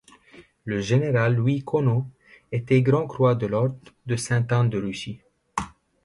Le général Louis Conneau était Grand-Croix de l'ordre de Sainte-Anne de Russie.